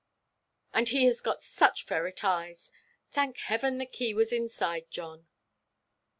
And he has got such ferret eyes! Thank Heaven, the key was inside, John."